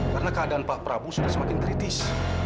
karena keadaan pak prabu sudah semakin kritis